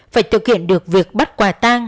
phải thực hiện được việc bắt quà tang